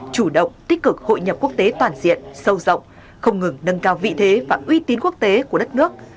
chủ động tích cực hội nhập quốc tế toàn diện sâu rộng không ngừng nâng cao vị thế và uy tín quốc tế của đất nước